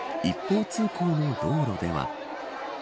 また一方通行の道路では。